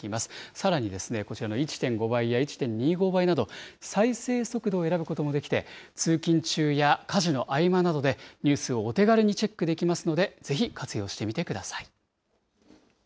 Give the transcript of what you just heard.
さらにこちらの１．５倍や１．２５倍など、再生速度を選ぶこともできて、通勤中や家事の合間などでニュースをお手軽にチェックできますのでぜひ活用してみてください。